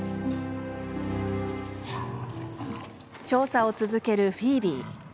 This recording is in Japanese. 調査を続けるフィービー。